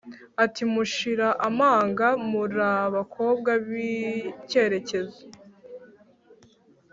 Ati mushira amanga, mur’abakobwa bikerekezo